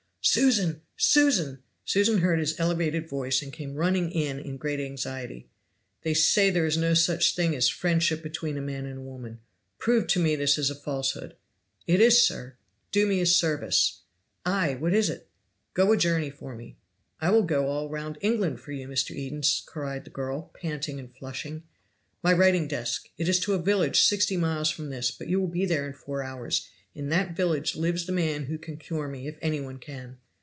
"Susan Susan!" Susan heard his elevated voice, and came running in in great anxiety. "They say there is no such thing as friendship between a man and a woman. Prove to me this is a falsehood!" "It is, sir." "Do me a service." "Ah! what is it?" "Go a journey for me." "I will go all round England for you, Mr. Eden," cried the girl, panting and flushing. "My writing desk! it is to a village sixty miles from this, but you will be there in four hours; in that village lives the man who can cure me, if any one can."